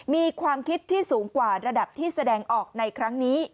มีความคิดที่สูงกว่าระดับที่แสดงออกในครั้งนี้